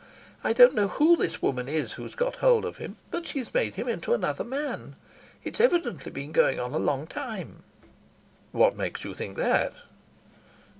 I don't know who this woman is who's got hold of him, but she's made him into another man. It's evidently been going on a long time." "What makes you think that?"